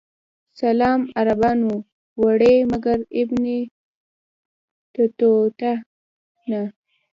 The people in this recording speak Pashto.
اسلام عربانو وړی مګر ابن بطوطه نه.